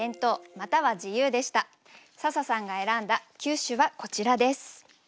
笹さんが選んだ９首はこちらです。